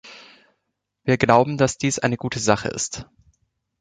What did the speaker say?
Wir glauben, dass dies eine gute Sache ist.